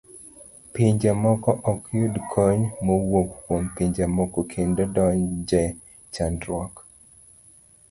Pinje moko ok yud kony mawuok kuom pinje moko kendo donje chandruok.